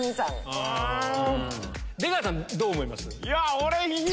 出川さんどう思います？